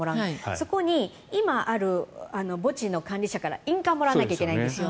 そこに今ある墓地の管理者から印鑑をもらわないといけないんです。